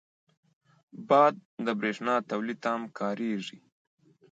باد د بریښنا تولید ته هم کارېږي